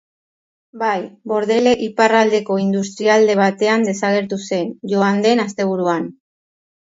Bai, Bordele iparraldeko industrialde batean desagertu zen, joan den asteburuan.